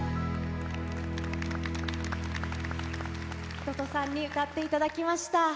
一青さんに歌っていただきました。